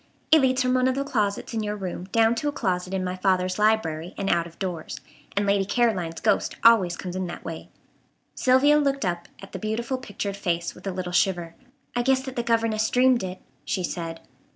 It leads from one of the closets in your room down to a closet in my father's library and out of doors, and Lady Caroline's ghost always comes in that way." Sylvia looked up at the beautiful pictured face with a little shiver. "I guess that the governess dreamed it," she said.